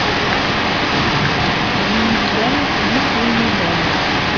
Win illan, yif win ilan.